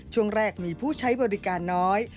ช่วงแรกมีผู้ใช้บริการน้อย